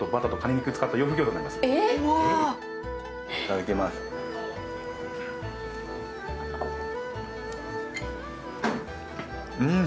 うわいただきますうん